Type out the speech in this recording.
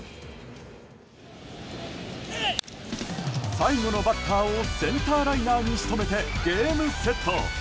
最後のバッターをセンターライナーに仕留めてゲームセット。